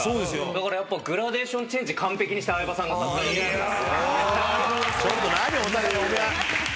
だからやっぱグラデーションチェンジ完璧にした相葉さんがさすがだと思います。